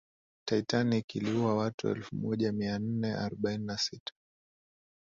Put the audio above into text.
titanic iliua watu elfu moja mia nne arobaini na sita